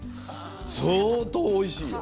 相当おいしい。